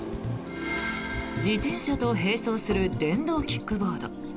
自転車と並走する電動キックボード。